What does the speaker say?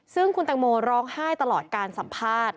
ซึ่งคุณแตงโมร้องไห้ตลอดการสัมภาษณ์